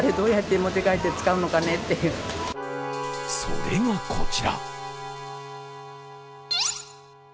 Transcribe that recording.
それがこちら。